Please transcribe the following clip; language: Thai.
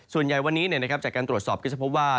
ส่วนใหญ่วันนี้นะครับจากการตรวจสอบก็จะเพราะว่า